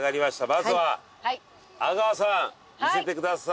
まずは阿川さん見せてください。